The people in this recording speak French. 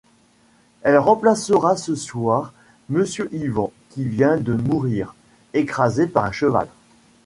Elle remplacera ce soir Monsieur Ivan qui vient de mourir, écrasé par un cheval.